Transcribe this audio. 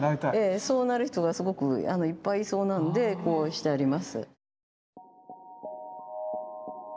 そうなる人がすごくいっぱいいそうなのでこうしてあります。